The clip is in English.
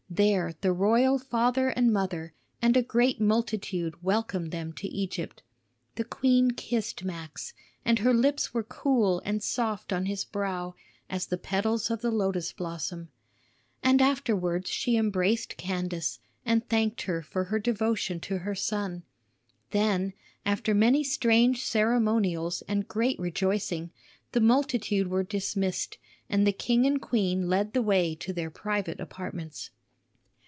There the royal father and mother and a great multitude welcomed them to Egypt. The queen kissed Max, and her lips were cool and soft on his brow as the petals of the lotus blossom. And afterwards she embraced Candace and thanked her for her devotion to her son. Then, after many strange ceremonials and great rejoicing, the multitude were dismissed, and the king and queen led the way to their private apartments.